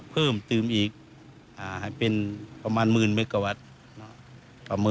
เพิ่มเติมอีกให้เป็นประมาณหมื่นเมกะวัตต์